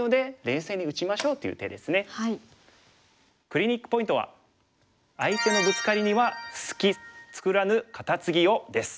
クリニックポイントは相手のブツカリには隙作らぬカタツギをです。